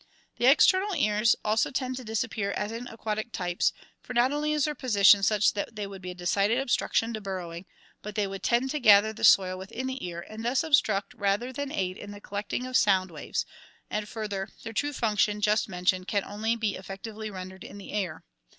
The external ears also tend to disappear as in aquatic types, for not only is their position such that they would be a decided obstruc tion to burrowing, but they would tend to gather the soil within the ear and thus obstruct rather than aid in the collecting of sound waves, and further, their true function, just mentioned, can only be effectively rendered in the air.